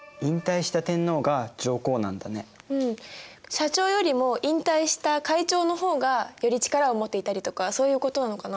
社長よりも引退した会長の方がより力を持っていたりとかそういうことなのかな？